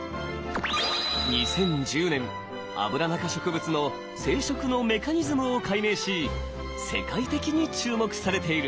２０１０年アブラナ科植物の生殖のメカニズムを解明し世界的に注目されている。